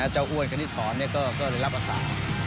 เจ้าอ้วนคณิตศก็เลยรับอาสา